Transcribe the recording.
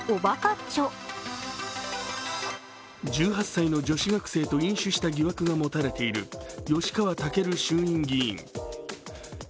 １８歳の女子学生と飲酒した疑惑が持たれている吉川赴衆議院議員。